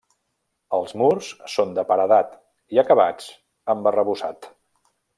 Els murs són de paredat i acabats amb arrebossat.